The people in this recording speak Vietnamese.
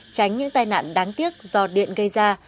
tránh những tai nạn đáng tiếc do điện gây ra